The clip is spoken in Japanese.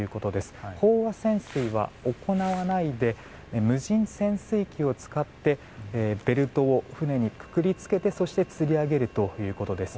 飽和潜水は行わないで無人潜水機を使ってベルトを船にくくり付けてつり上げるということです。